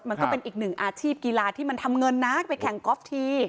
ก็เป็นอีกหนึ่งอาชีพกีฬาที่มันทำเงินนักไปแข่งกอล์ฟที